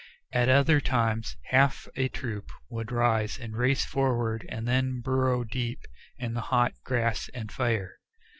At other times half a troop would rise and race forward and then burrow deep in the hot grass and fire.